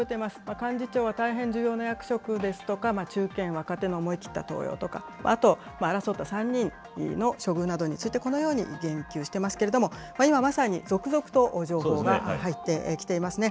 幹事長は大変重要な役職ですとか、中堅・若手の思い切った登用とか、あと争った３人の処遇などについて、このように言及してますけれども、今まさに続々と情報が入ってきていますね。